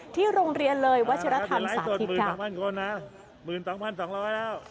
ที่โรงเรียนเลยวัชยธรรมสาธิตค่ะหมื่นสองพันสองล้อยแล้ว